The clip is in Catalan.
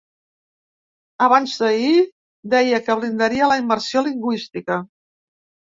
Abans d'ahir deia que blindaria la immersió lingüística.